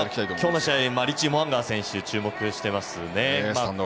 今日の試合はリッチー・モウンガ選手に注目していますね。